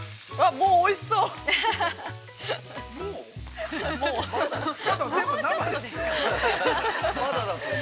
◆もう、おいしそうですね。